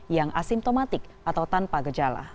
yang asimptomatik atau tanpa gejala